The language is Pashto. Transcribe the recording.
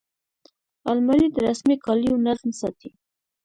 الماري د رسمي کالیو نظم ساتي